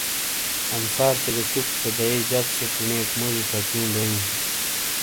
انصار سے گہ چُک تھے بیئی جک چینیئک موجی چکیوں بیئوں۔